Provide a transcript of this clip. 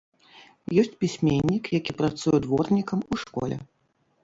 Ёсць пісьменнік, які працуе дворнікам у школе.